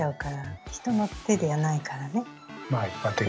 人の手ではないからね。